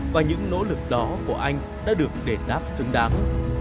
và những nỗ lực đó của anh đã được đề táp xứng đáng